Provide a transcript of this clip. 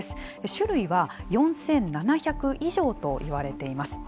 種類は４７００以上といわれています。